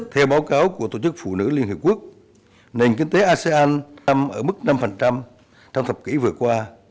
theo báo cáo của tổ chức phụ nữ liên hiệp quốc nền kinh tế asean tăng ở mức năm trong thập kỷ vừa qua